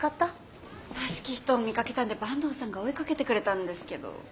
らしき人を見かけたんで坂東さんが追いかけてくれたんですけど。